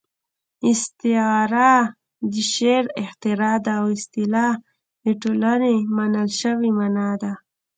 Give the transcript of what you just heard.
استعاره د شاعر اختراع ده او اصطلاح د ټولنې منل شوې مانا ده